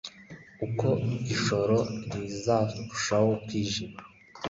Uko ijoro rizarushaho kwijima